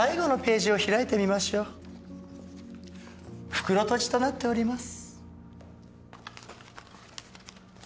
袋とじとなっております。